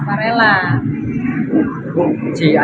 karena pengunggahan psk itu persikap farelah